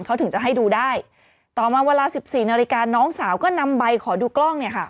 เขาถึงจะให้ดูได้ต่อมาเวลาสิบสี่นาฬิกาน้องสาวก็นำใบขอดูกล้องเนี่ยค่ะ